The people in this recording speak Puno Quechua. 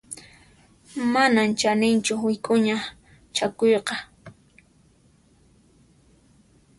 Manan chaninchu wik'uña chakuyqa.